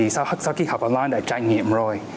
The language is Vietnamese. sau khi học online đã trải nghiệm rồi